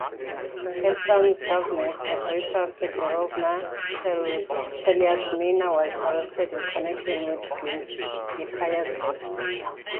Her son's governess, Agrippina Fedorovna Chelyadnina was arrested in connection with Glinskaya's death.